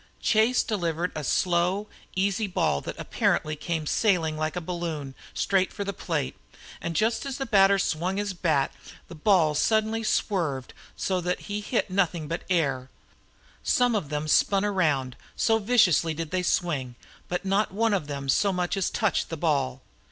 Chase delivered a slow, easy ball that apparently came sailing like a balloon straight for the plate, and just as the batter swung his bat the ball suddenly swerved so that he hit nothing but the air. Some of them spun around, so viciously did they swing, but not one of them so much as touched the ball.